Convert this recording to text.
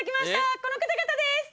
この方々です。